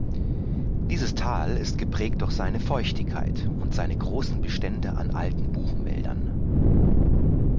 Dieses Tal ist geprägt durch seine Feuchtigkeit und seine großen Bestände an alten Buchenwäldern.